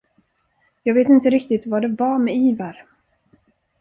Jag vet inte riktigt vad det var med Ivar.